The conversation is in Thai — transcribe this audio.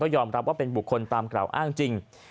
ยอมรับว่าเป็นบุคคลตามกล่าวอ้างจริง